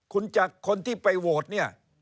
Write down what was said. คนที่ไปโหวตเนี่ย